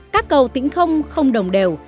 các cầu tính không không đồng đều